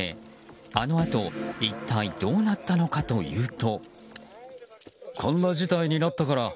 あのあと一体どうなったのかというと。